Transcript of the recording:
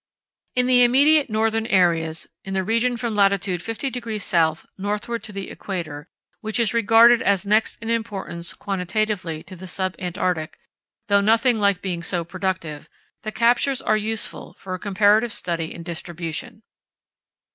In the immediate northern areas—in the region from latitude 50° S. northward to the equator, which is regarded as next in importance quantitatively to the sub Antarctic, though nothing like being so productive, the captures are useful for a comparative study in distribution.